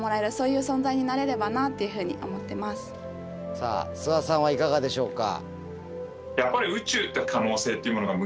さあ諏訪さんはいかがでしょうか？